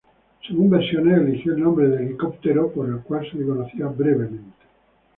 Según versiones, eligió el nombre de "helicóptero" por el cual se le conocía brevemente.